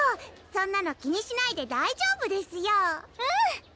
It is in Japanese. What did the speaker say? そんなの気にしないで大丈夫ですようん！